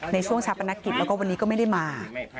ในช่วงชาปนกิจแล้วก็วันนี้ก็ไม่ได้มา